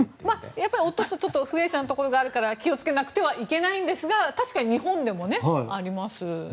落としたら不衛生なところがあるから気を付けなくてはいけないんですが確かに日本でもありますよね。